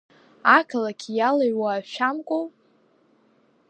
Ақалақь иалыҩуа ашәамкәоу?